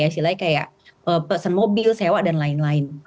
ada apa ya silai kayak pesen mobil sewa dan lain lain